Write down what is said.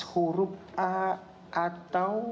huruf a atau